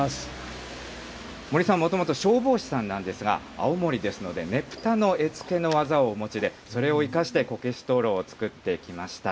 森さん、もともと消防士さんなんですが、青森ですので、ねぷたの絵付けの技をお持ちで、それを生かしてこけし灯ろうを作ってきました。